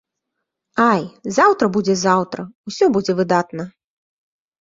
Ай, заўтра будзе заўтра, усё будзе выдатна!